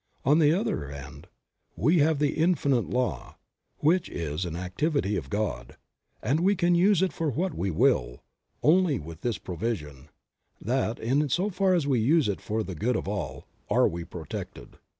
On the other hand we have the Infinite Law — which is an activity of God — and we can use it for what we will, only with this provision, that, in so far as we use it for the good of all, are we protected.